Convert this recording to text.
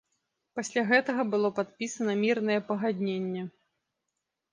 Пасля гэтага было падпісана мірнае пагадненне.